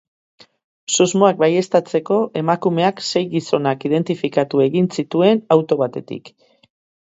Susmoak baieztatzeko, emakumeak sei gizonak identifikatu egin zituen auto batetik.